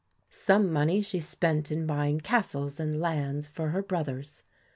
Some money she spent in buying castles and lands for her brothers.